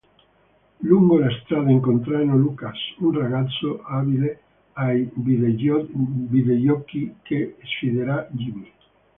Lungo la strada incontrano Lucas, un ragazzo abile ai videogiochi che sfiderà Jimmy.